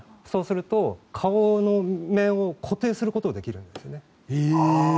そうすると顔の面を固定することができるんですね。